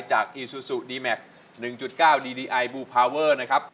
จากอีซูซูดีแม็กซ์หนึ่งจุดเก้าดีดีไอบูพาเวอร์นะครับ